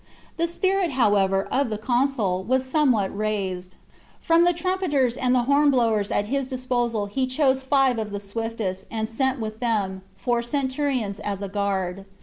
The spirit, however, of the consul was somewhat raised. From the trumpeters and hornblowers at his disposal he chose five of the swiftest, and sent with them ... four centurions as a guard.